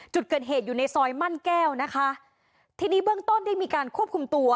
จุดเกิดเหตุอยู่ในซอยมั่นแก้วนะคะทีนี้เบื้องต้นได้มีการควบคุมตัว